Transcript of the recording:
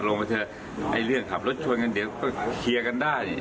มาเถอะไอ้เรื่องขับรถชนกันเดี๋ยวก็เคลียร์กันได้